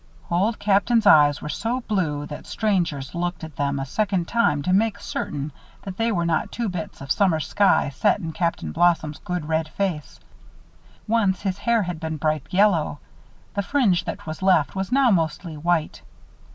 Old Captain's eyes were so blue that strangers looked at them a second time to make certain that they were not two bits of summer sky set in Captain Blossom's good, red face. Once his hair had been bright yellow. The fringe that was left was now mostly white.